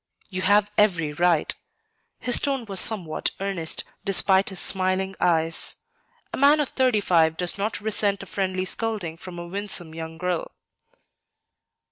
"You have every right." His tone was somewhat earnest, despite his smiling eyes. A man of thirty five does not resent a friendly scolding from a winsome young girl.